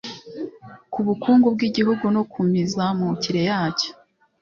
ku bukungu bw'igihugu no ku mizamukire yacyo